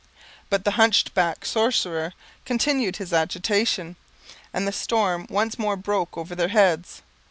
But the hunch backed sorcerer continued his agitation and the storm once more broke over their heads.